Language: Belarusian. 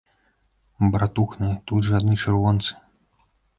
Братухны, тут жа адны чырвонцы!